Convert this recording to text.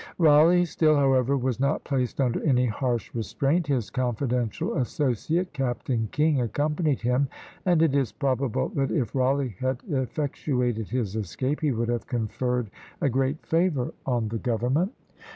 Rawleigh still, however, was not placed under any harsh restraint: his confidential associate, Captain King, accompanied him; and it is probable, that if Rawleigh had effectuated his escape, he would have conferred a great favour on the government.